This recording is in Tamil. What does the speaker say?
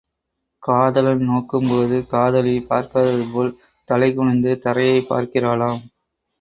காதலன் நோக்கும் போது காதலி பார்க்காதது போல் தலை குனிந்து தரையைப் பார்க்கிறாளாம்.